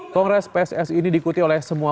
kongres pssi ini diikuti oleh semua